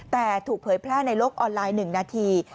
แต่ถูกเผยแพร่ในโลกออนไลน์๑นาที